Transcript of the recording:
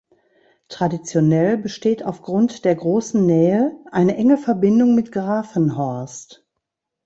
Traditionell besteht aufgrund der großen Nähe eine enge Verbindung mit Gravenhorst.